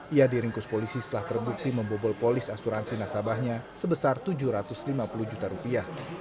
ia diringkus polisi setelah terbukti membobol polis asuransi nasabahnya sebesar tujuh ratus lima puluh juta rupiah